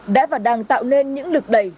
đã và đang tạo nên những lực đẩy